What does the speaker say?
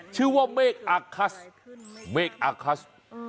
ชื่อว่าเมฆอัคคัส